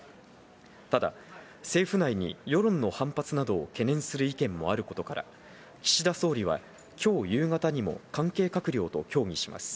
ただ、政府内に世論の反発などを懸念する意見もあることから、岸田総理は、きょう夕方にも関係閣僚と協議します。